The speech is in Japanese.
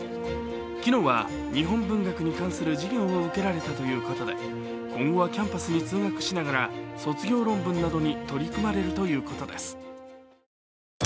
昨日は日本文学に関する授業を受けられたということで今後はキャンパスに通学しながら卒業論文などに取り組まれるということです。